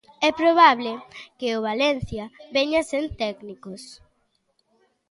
E probable que o Valencia veña sen técnicos.